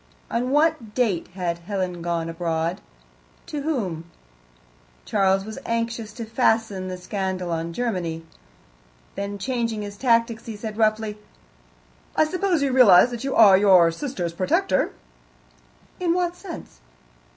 On what date had Helen gone abroad? To whom? (Charles was anxious to fasten the scandal on Germany.) Then, changing his tactics, he said roughly: "I suppose you realize that you are your sister's protector?" "In what sense?"